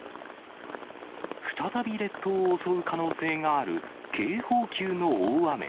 再び列島を襲う可能性がある警報級の大雨。